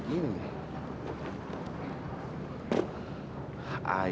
gak biasa biasanya dia kayak gini